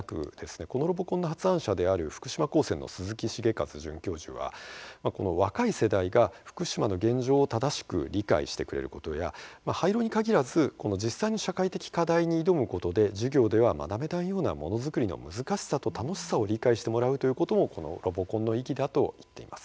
このロボコンの発案者である福島高専の鈴木茂和准教授は若い世代が福島の現状を正しく理解してくれることや廃炉に限らず実際の社会的課題に挑むことで授業では学べないようなものづくりの難しさと楽しさを理解してもらうということもこのロボコンの意義だと言っています。